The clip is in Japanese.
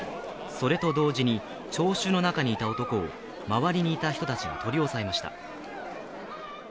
それと同時に、聴衆の中にいた男を周りにいた人たちが取り押さえました。